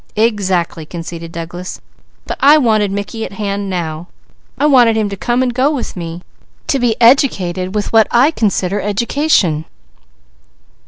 "Exactly!" conceded Douglas. "But I wanted Mickey at hand now! I wanted him to come and go with me. To be educated with what I consider education."